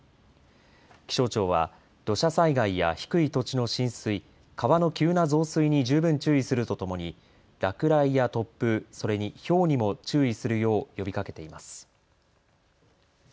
気象庁は土砂災害や低い土地の浸水、川の急な増水に十分注意するとともに落雷や突風、それにひょうにも注意するよう呼びかけています。